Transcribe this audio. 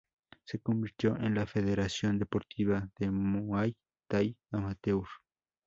Se convirtió en el federación deportiva de muay thai amateur.